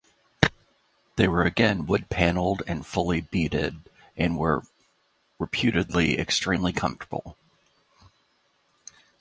They were again wood panelled and fully beaded and were, reputedly, extremely comfortable.